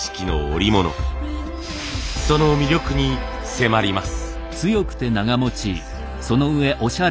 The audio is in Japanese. その魅力に迫ります。